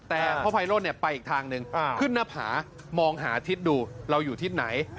แต่พ่อไพโรธไปอีกทางหนึ่งขึ้นหน้าผามองหาทิศดูเราอยู่ทิศไหน